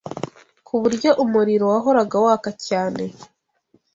ku buryo umuriro wahoraga waka cyane